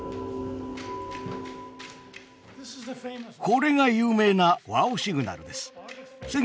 これが有名な「Ｗｏｗ！シグナル」です。